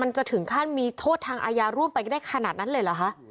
จะถึงขั้นมีโทษทางอาญาร่วมไปก็ได้ขนาดนั้นเลยเหรอคะ